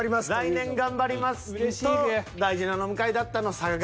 「来年頑張ります」と「大事な飲み会だった」の差が。